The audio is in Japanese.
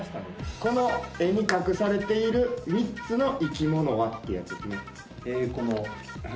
この絵に隠されている３つの生き物は？ってやつですね。